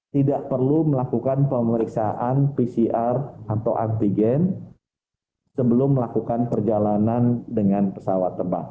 tidak perlu melakukan pemeriksaan pcr atau antigen sebelum melakukan perjalanan dengan pesawat tebang